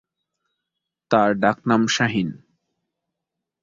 তাঁর ডাক নাম শাহীন।